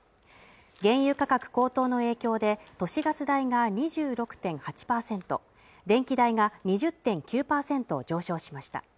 原油価格高騰の影響で都市ガス代が２６．８％電気代が２０．９％上昇しました